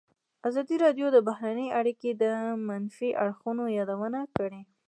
ازادي راډیو د بهرنۍ اړیکې د منفي اړخونو یادونه کړې.